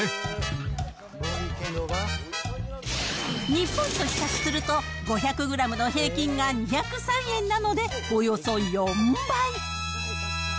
日本と比較すると、５００グラムの平均が２０３円なのでおよそ４倍。